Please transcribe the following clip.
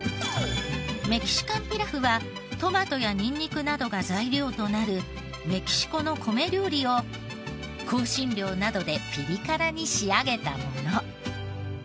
メキシカンピラフはトマトやニンニクが材料となるメキシコの米料理を香辛料などでピリ辛に仕上げたもの。